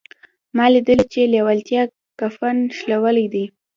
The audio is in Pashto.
ما لیدلي چې لېوالتیا کفن شلولی دی